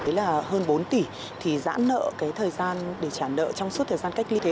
đấy là hơn bốn tỷ thì giãn nợ cái thời gian để trả nợ trong suốt thời gian cách ly thế